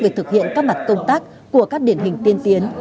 về thực hiện các mặt công tác của các điển hình tiên tiến